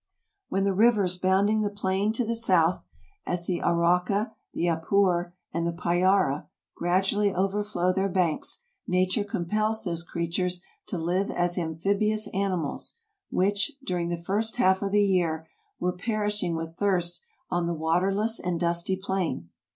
When the rivers bounding the plain to the south, as the Arauca, the Apure, and the Payara, gradually overflow their banks, nature compels those creatures to live as amphibious animals, which, during the first half of the year, were perish ing with thirst on the waterless and dusty plain.